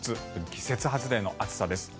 季節外れの暑さです。